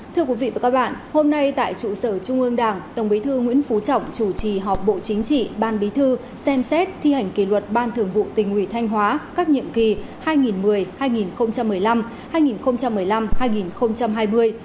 thưa quý vị và các bạn hôm nay tại trụ sở trung ương đảng tổng bí thư nguyễn phú trọng chủ trì họp bộ chính trị ban bí thư xem xét thi hành kỷ luật ban thường vụ tỉnh ủy thanh hóa các nhiệm kỳ hai nghìn một mươi hai nghìn một mươi năm hai nghìn một mươi năm hai nghìn hai mươi